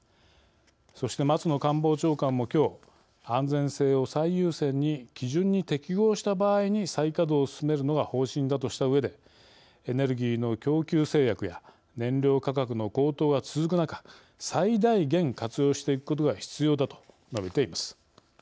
そして松野官房長官もきょう安全性を最優先に基準に適合した場合に再稼働を進めるのが方針だとしたうえで「エネルギーの供給制約や燃料価格の高騰が続く中最大限活用していくことが必要だ」と述べています。